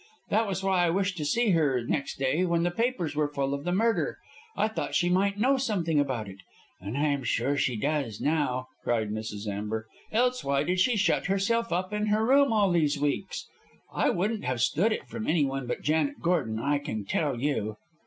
That was why I wished to see her next day when the papers were full of the murder. I thought she might know something about it. And I am sure she does know," cried Mrs. Amber; "else why did she shut herself up in her room all these weeks? I wouldn't have stood it from anyone but Janet Gordon, I can tell you."